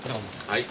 はい。